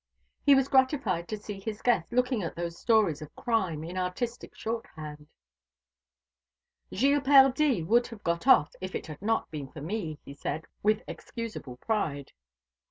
He was gratified to see his guest looking at those stories of crime, in artistic shorthand. "Gilles Perdie would have got off, if it had not been for me," he said, with excusable pride.